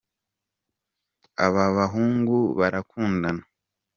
ababahungu barakundana